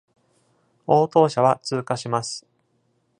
応答者は通過します。